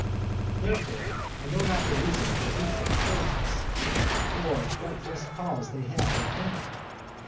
Therefore, I know not the reason of their hatred toward us, or what just cause they have of envy.